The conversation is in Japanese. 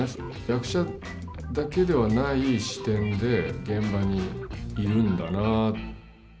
役者だけではない視点で現場にいるんだな。